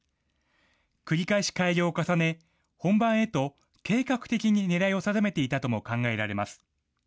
繰り返し改良を重ね、本番へと計画的に狙いを定めていたとも考えられます。